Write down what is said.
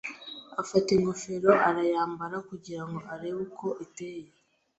Afata ingofero arayambara kugira ngo arebe uko iteye.